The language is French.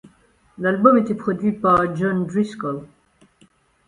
L'album était produit par John Driscoll.